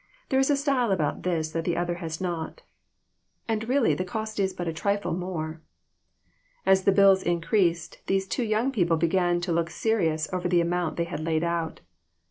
There is a style about this that the other has not, and THIS WORLD, AND THE OTHER ONE. 22$ really the cost is but a trifle more." As the bills increased, these two young people began to look serious over the amount they had laid out.